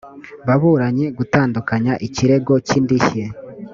baburanyi gutandukanya ikirego cy indishyi